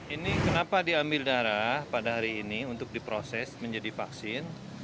ini kenapa diambil darah pada hari ini untuk diproses menjadi vaksin